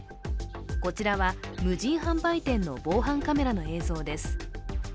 こちらは無人販売店の防犯カメラの映像です。